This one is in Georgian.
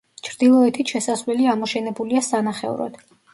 ჩრდილოეთით შესასვლელი ამოშენებულია სანახევროდ.